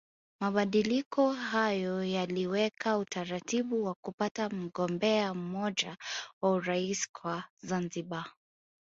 Mabadiliko hayo yaliweka utaratibu wa kupata mgombea mmoja wa Urais kwa Zanzibar